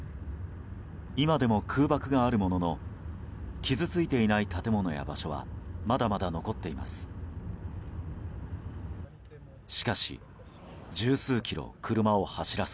今でも空爆があるものの傷ついていない建物や場所はまだまだ残っています。